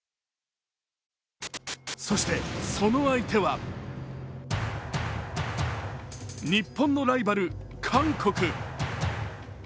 そして、その相手は日本のライバル・韓国。